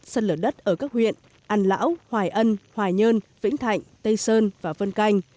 sân lửa đất ở các huyện an lão hoài ân hoài nhơn vĩnh thạnh tây sơn và vân canh